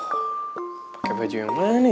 pake baju yang mana ini